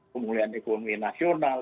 pemulihan ekonomi nasional